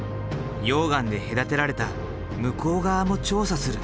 溶岩で隔てられた向こう側も調査する。